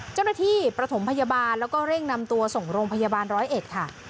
ประถมพยาบาลแล้วก็เร่งนำตัวส่งโรงพยาบาลร้อยเอ็ดค่ะ